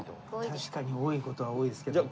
確かに多い事は多いですけど。